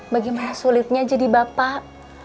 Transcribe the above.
bagaimana sulitnya jadi bapak